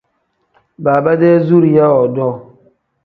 Baaba-dee zuriya woodoo.